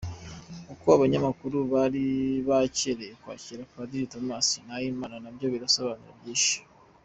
Uko abanyamakuru bari bacyereye kwakira Padiri Thomas Nahimana nabyo birasobanura byinshi.